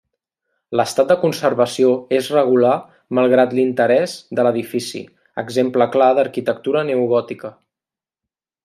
L'estat de conservació és regular malgrat l'interès de l'edifici, exemple clar d'arquitectura neogòtica.